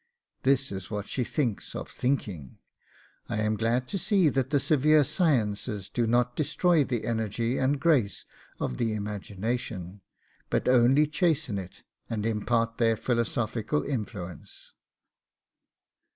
This is what she thinks of THINKING: 'I am glad to see that the severe sciences do not destroy the energy and grace of the imagination, but only chasten it and impart their philosophical influence.